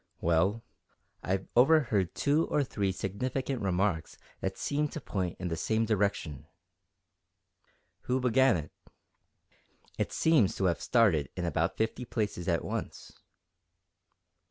"Well, I've overheard two or three significant remarks that seemed to point in the same direction." "Who began it?" "It seems to have started in about fifty places at once."